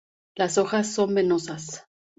Las hojas son venosas.